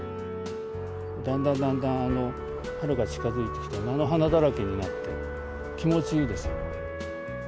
だんだんだんだん、春が近づいてきて、菜の花だらけになって、気持ちいいです。